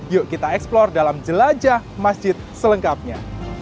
yuk kita eksplor dalam jelajah masjid selengkapnya